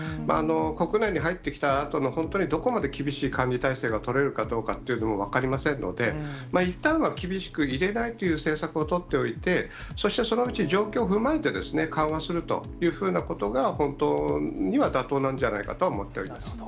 国内に入ってきたあとの本当にどこまで厳しい管理体制が取れるかどうかというのが分かりませんので、いったんは厳しく入れないという政策を取っておいて、そしてそのうち状況を踏まえて、緩和するというふうなことが、本当には妥当なんじゃないかとは思っています。